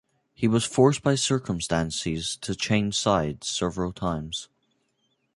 He is forced by circumstances to change sides several times.